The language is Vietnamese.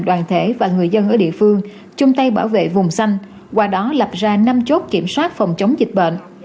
đoàn thể và người dân ở địa phương chung tay bảo vệ vùng xanh qua đó lập ra năm chốt kiểm soát phòng chống dịch bệnh